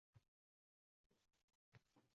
Zafarjon ham ota-ona mehridan bebahra emas